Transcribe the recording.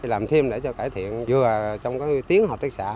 làm thêm để cho cải thiện vừa trong cái tiếng học tất xã